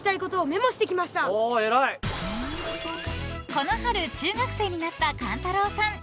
［この春中学生になった勘太郎さん］